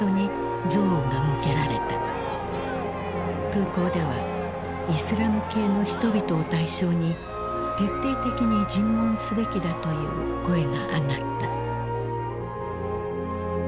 空港ではイスラム系の人々を対象に徹底的に尋問すべきだという声が上がった。